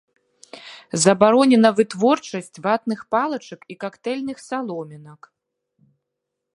Забаронена вытворчасць ватных палачак і кактэйльных саломінак.